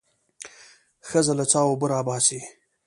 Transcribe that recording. ښځه له څاه اوبه راباسي.